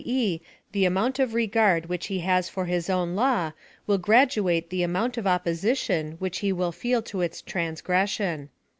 e. the amount of regard which he has for his own law will graduate the amount of opposition which he Avill feel to its transgression.